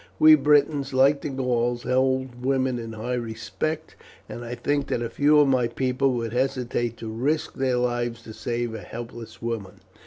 We Britons, like the Gauls, hold women in high respect, and I think that few of my people would hesitate to risk their lives to save a helpless woman."